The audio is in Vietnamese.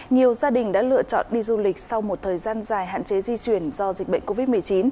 nhiều gia đình đã lựa chọn đi du lịch sau một thời gian dài hạn chế di chuyển do dịch bệnh covid một mươi chín